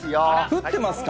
降ってますか。